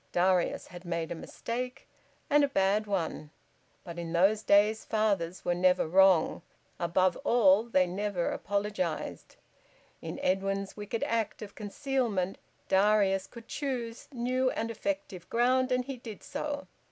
Darius had made a mistake, and a bad one; but in those days fathers were never wrong; above all they never apologised. In Edwin's wicked act of concealment Darius could choose new and effective ground, and he did so.